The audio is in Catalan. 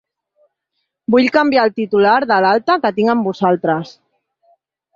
Vull canviar el titular de l'alta que tinc amb vosaltres.